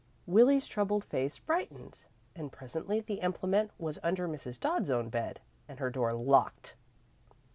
Willie's troubled face brightened, and presently the implement was under Mrs. Dodd's own bed, and her door locked.